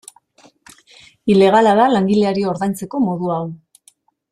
Ilegala da langileari ordaintzeko modu hau.